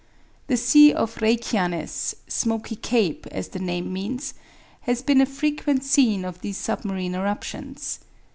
The sea off Reykjanes Smoky Cape, as the name means has been a frequent scene of these submarine eruptions.